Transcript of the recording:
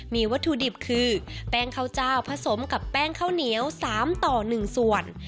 มีวัตถุดิบคือแป้งข้าวเจ้าผสมกับแป้งข้าวเหนียว๓ต่อ๑ส่วน